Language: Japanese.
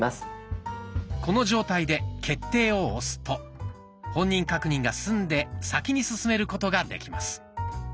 この状態で「決定」を押すと本人確認が済んで先に進めることができます。